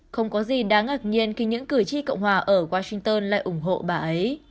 không có gì đáng ngạc nhiên khi những cử tri cộng hòa ở washington lại ủng hộ bà ấy